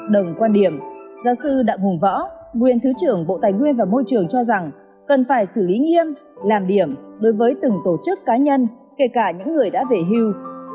đồng quan điểm giáo sư đặng hùng võ nguyên thứ trưởng bộ tài nguyên và môi trường cho rằng cần phải xử lý nghiêm làm điểm đối với từng tổ chức cá nhân kể cả những người đã về hưu